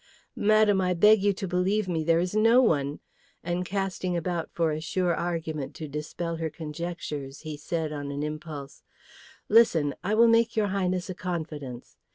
"Madam, I beg you to believe me, there is no one;" and casting about for a sure argument to dispel her conjectures, he said on an impulse, "Listen; I will make your Highness a confidence."